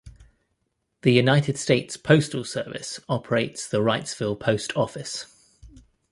The United States Postal Service operates the Wrightsville Post Office.